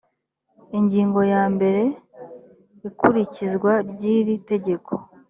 ingingo ya mbere ikurikizwa ry iri tegeko